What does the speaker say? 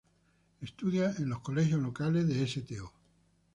Estudia en los colegios locales de Sto.